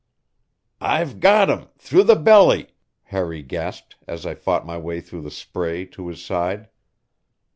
"I've got him through the belly," Harry gasped as I fought my way through the spray to his side.